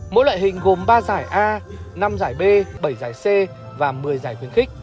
mỗi loại hình gồm ba giải a năm giải b bảy giải c và một mươi giải khuyến khích